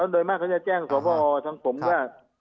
โดยมากเขาจะแจ้งสวทธิ์ภอร์ทางผมก็